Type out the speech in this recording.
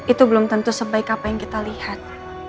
itu belum tentu sebaik apa yang kita lihat